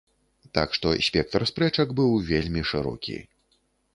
Так што спектр спрэчак быў вельмі шырокі.